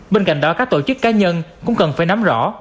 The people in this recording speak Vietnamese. bên cạnh đó các tổ chức cá nhân cũng cần phải nắm rõ